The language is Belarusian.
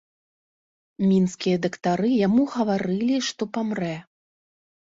Мінскія дактары яму гаварылі, што памрэ.